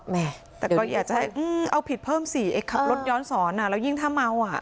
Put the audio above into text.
แม่แต่ก็อยากจะให้เอาผิดเพิ่มสิไอ้ขับรถย้อนสอนแล้วยิ่งถ้าเมาอ่ะ